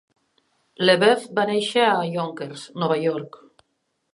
LeBouef va néixer a Yonkers, Nova York.